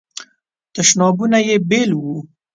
تشنابونه یې بیل وو.